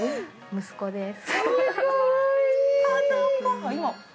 息子です。